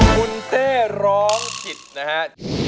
คุณเต้ร้องผิดนะฮะ